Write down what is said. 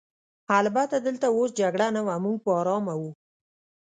البته دلته اوس جګړه نه وه، موږ په آرامه وو.